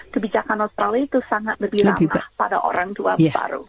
kebijakan australia itu sangat lebih ramah pada orang tua baru